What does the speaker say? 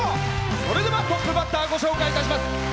それではトップバッターご紹介いたします。